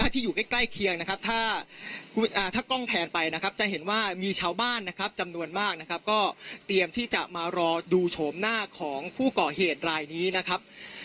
ที่อยู่ใกล้เคียงนะครับถ้ากล้องแพนไปนะครับจะเห็นว่ามีชาวบ้านนะครับจำนวนมากนะครับก็เตรียมที่จะมารอดูโฉมหน้าของผู้ก่อเหตุรายนี้นะครับ